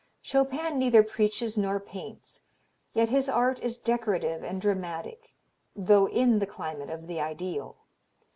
Chopin neither preaches nor paints, yet his art is decorative and dramatic though in the climate of the ideal.